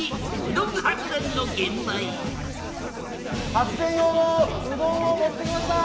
発電用のうどんを持ってきました！